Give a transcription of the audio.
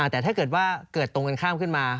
แต่ถ้าเกิดว่าเกิดตรงกันข้ามขึ้นมา